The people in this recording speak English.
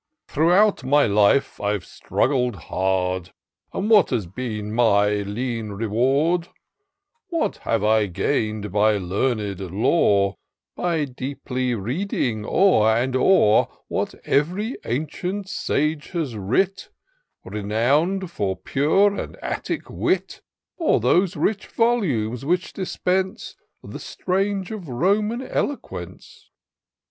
Throughout my life I Ve struggled hard ; And what has been my lean reward ? What have I gain'd by learned lore. By deeply reading o'er and o'er, What ev'ry ancient sage has writ, Renown'd for pure and Attic wit ; 276 TOUR OF DOCTOR SYNTAX Or those rich volumes which dispense The strains of Roman eloquence